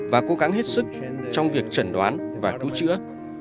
và cố gắng hết sức trong việc trần đoán và cứu chữa